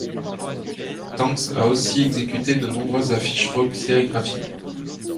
Tanxxx a aussi exécuté de nombreuses affiches rock sérigraphiées.